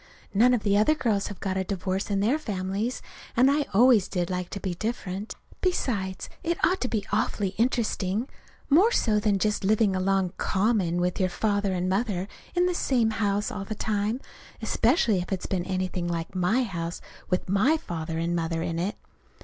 None of the other girls have got a divorce in their families, and I always did like to be different. Besides, it ought to be awfully interesting, more so than just living along, common, with your father and mother in the same house all the time especially if it's been anything like my house with my father and mother in it!